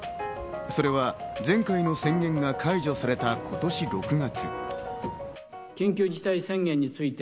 それは前回の宣言が解除された今年６月。